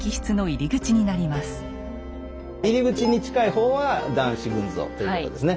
入り口に近い方は「男子群像」ということですね。